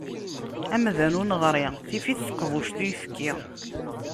Amdan ur neɣri, tif-it teqbuct uyefki.